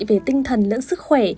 về tinh thần lẫn sức khỏe